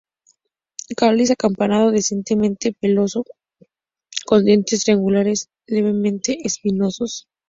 Cáliz acampanado, densamente peloso, con dientes triangulares levemente espinosos.